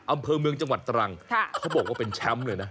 อำเภอเมืองจังหวัดตรังเขาบอกว่าเป็นแชมป์เลยนะ